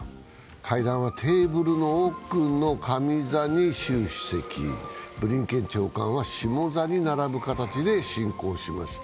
会談はテーブルの奥の上座に習主席、ブリンケン長官は下座に並ぶ形で進行しました。